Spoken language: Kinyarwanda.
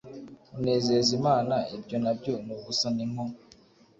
unezeza Imana Ibyo na byo ni ubusa ni nko